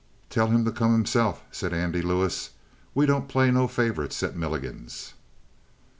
"Tell him to come himse'f," said Andy Lewis. "We don't play no favorites at Milligan's."